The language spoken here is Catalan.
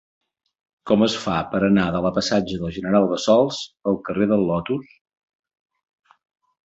Com es fa per anar de la passatge del General Bassols al carrer del Lotus?